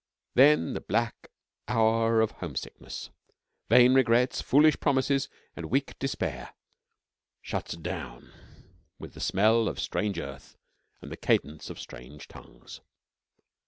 Then the black hour of homesickness, vain regrets, foolish promises, and weak despair shuts down with the smell of strange earth and the cadence of strange tongues.